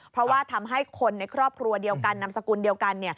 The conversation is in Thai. เพราะว่าทำให้คนในครอบครัวเดียวกันนามสกุลเดียวกัน